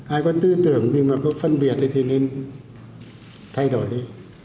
ai có tư tưởng nhưng mà có phân biệt thì nên thay đổi đấy